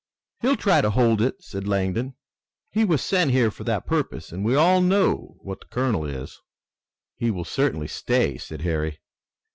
"He'll try to hold it," said Langdon. "He was sent here for that purpose, and we all know what the colonel is." "He will certainly stay," said Harry.